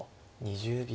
２０秒。